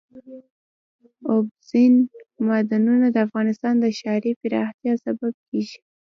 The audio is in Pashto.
اوبزین معدنونه د افغانستان د ښاري پراختیا سبب کېږي.